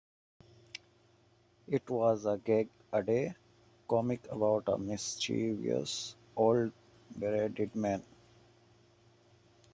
It was a gag-a-day comic about a mischievous old bearded man.